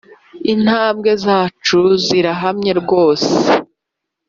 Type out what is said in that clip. Intambwe zacu zirahamye rwose.